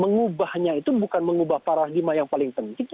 mengubahnya itu bukan mengubah para agima yang paling penting